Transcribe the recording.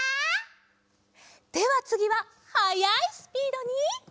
ではつぎははやいスピードに。